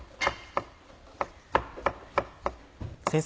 先生